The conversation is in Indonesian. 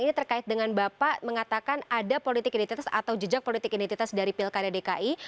ini terkait dengan bapak mengatakan ada politik identitas atau jejak politik identitas dari pilkada dki